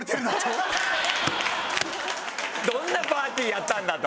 どんなパーティーやったんだと。